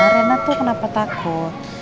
rena tuh kenapa takut